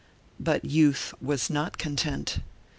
But youth was not content.